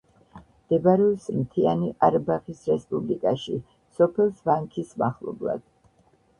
მდებარეობს მთიანი ყარაბაღის რესპუბლიკაში, სოფელს ვანქის მახლობლად.